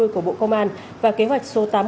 của bộ công an và kế hoạch số tám mươi ba